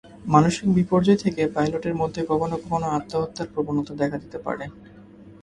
মানসিক বিপর্যয় থেকে পাইলটের মধ্যে কখনো কখনো আত্মহত্যার প্রবণতা দেখা দিতে পারে।